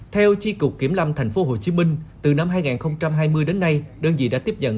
theo tri cục kiểm lâm tp hcm từ năm hai nghìn hai mươi đến nay đơn vị đã tiếp nhận